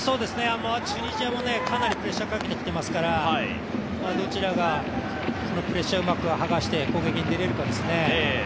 チュニジアもかなりプレッシャーかけてきてますからどちらがプレッシャーをうまく剥がして攻撃に出れるかですね。